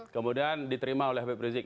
kemudian diterima oleh habib rizik